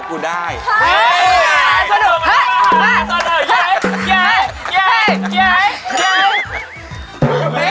ลูกชายก็ควรดูได้